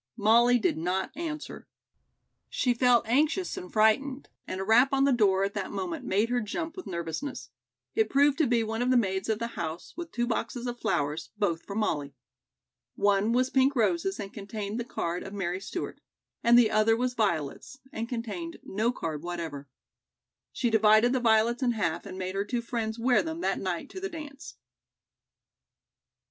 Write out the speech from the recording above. Molly did not answer. She felt anxious and frightened, and a rap on the door at that moment made her jump with nervousness. It proved to be one of the maids of the house with two boxes of flowers, both for Molly. One was pink roses and contained the card of Mary Stewart, and the other was violets, and contained no card whatever. She divided the violets in half and made her two friends wear them that night to the dance.